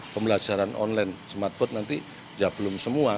pembelajaran online smartboot nanti ya belum semua